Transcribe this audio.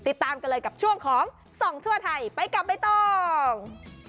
ติดตามกันเลยกับช่วงของส่องทั่วไทยไปกับใบตอง